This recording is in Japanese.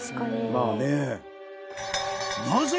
まあね。